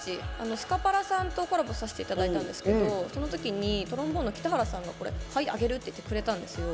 スカパラさんとコラボさせていただいたんですけどそのときにトロンボーンの北原さんがこれ、あげるってくれたんですよ。